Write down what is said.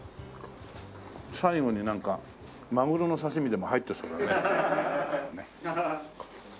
最後にマグロの刺し身でも入ってそうだね。